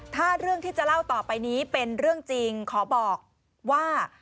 ถ้าเรื่องที่จะเล่าต่อไปนี้เป็นเรื่องจริงขอบอกว่า